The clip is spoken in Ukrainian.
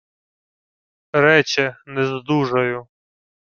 — Рече, нездужаю.